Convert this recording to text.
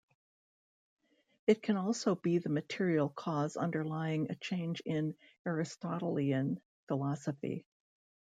It can also be the material cause underlying a change in Aristotelian philosophy.